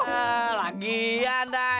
aak lagian dah